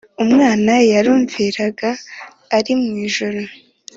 Umwana yarumviraga ari mu ijuru